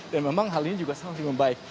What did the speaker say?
dan memang hal ini juga sangat sangat baik